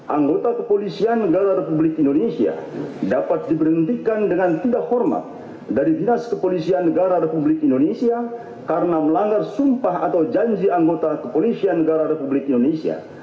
anggota kepolisian negara republik indonesia dapat diberhentikan dengan tidak hormat dari dinas kepolisian negara republik indonesia karena melanggar sumpah atau janji anggota kepolisian negara republik indonesia